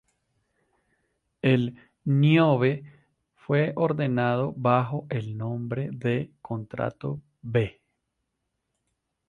El "Niobe" fue ordenado bajo el nombre de contrato "B".